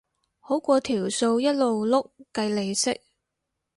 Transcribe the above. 好過條數一路碌計利息